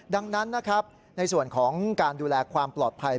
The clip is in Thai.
ดังนั้นนะครับในส่วนของการดูแลความปลอดภัย